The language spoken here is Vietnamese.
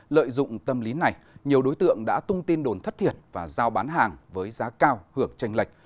lợi dụng tâm lý này nhiều đối tượng đã tung tin đồn thất thiệt và giao bán hàng với giá cao hưởng tranh lệch